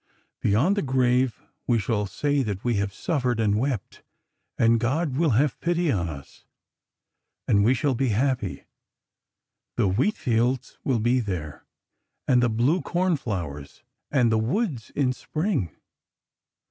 Beyond the grave we shall say that we have suffered and wept, and God will have pity on us. And we shall be happy.... The wheat fields will be there, and the blue cornflowers ... and the woods in Spring."